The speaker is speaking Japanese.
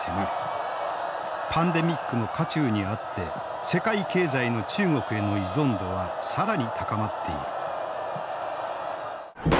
パンデミックの渦中にあって世界経済の中国への依存度は更に高まっている。